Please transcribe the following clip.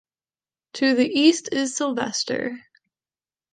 To the east is Sylvester.